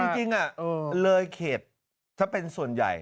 จริงเลยเขตถ้าเป็นส่วนใหญ่